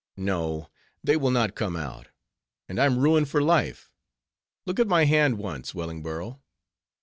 "No! they will not come out, and I'm ruined for life. Look at my hand once, Wellingborough!"